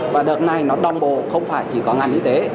và đợt này nó đong bộ không chỉ có ngành y tế